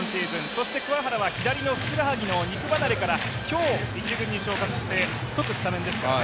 そして桑原は左のふくらはぎの肉離れから今日、１軍に昇格して即スタメンですからね。